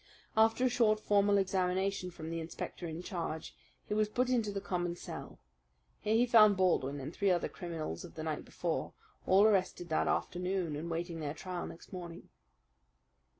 After a short, formal examination from the inspector in charge he was put into the common cell. Here he found Baldwin and three other criminals of the night before, all arrested that afternoon and waiting their trial next morning.